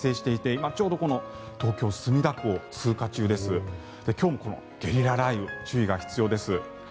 今日もこのゲリラ雷雨注意が必要です。